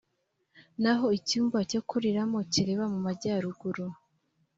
naho icyumba cyo kuriramo kireba mu majyaruguru